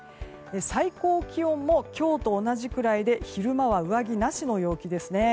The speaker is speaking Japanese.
最高気温も今日と同じくらいで昼間は上着なしの陽気ですね。